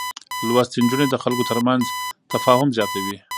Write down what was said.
لوستې نجونې د خلکو ترمنځ تفاهم زياتوي.